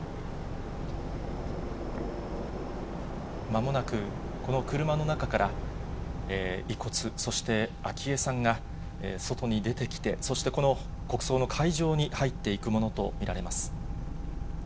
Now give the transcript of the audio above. まもなく、この車の中から遺骨、そして昭恵さんが外に出てきて、そして、この国葬の会場に入っていくものと見られます。